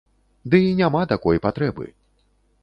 Ды і няма такой патрэбы.